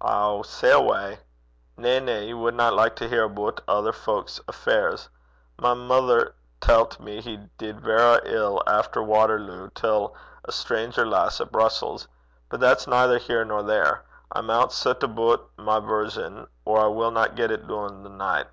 'Ow, say awa'.' 'Na, na; ye wadna like to hear aboot ither fowk's affairs. My mither tellt me he did verra ill efter Watterloo till a fremt (stranger) lass at Brussels. But that's neither here nor there. I maun set aboot my version, or I winna get it dune the nicht.'